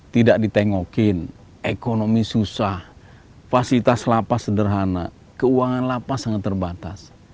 tidak ditengokin ekonomi susah fasilitas lapas sederhana keuangan lapas sangat terbatas